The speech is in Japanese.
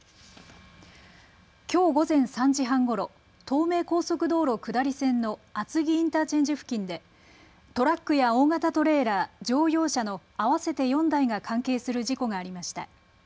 きょう午前３時半ごろ東名高速道路下り線の厚木インターチェンジ付近でトラックや大型トレーラー、乗用車の合わせて４台が関係する事故がありました。